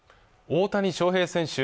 大谷翔平選手